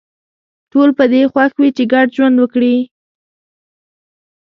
ټول په دې خوښ وي چې ګډ ژوند وکړي